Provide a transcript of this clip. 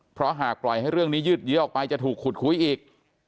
เพราะหากปล่อยให้เรื่องนี้ยืดเยื้อออกไปจะถูกขุดคุยอีก